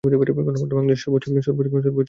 গণপ্রজাতন্ত্রী বাংলাদেশের সর্বোচ্চ আইন কী?